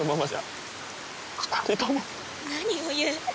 何を言う。